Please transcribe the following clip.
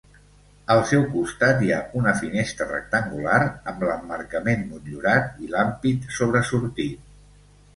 Al seu costat hi ha una finestra rectangular amb l'emmarcament motllurat i l'ampit sobresortit.